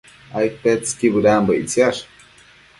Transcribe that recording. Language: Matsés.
Aidtetsëqui bëdambo ictsiash